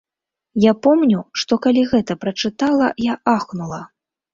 Я помню, што калі гэта прачытала, я ахнула.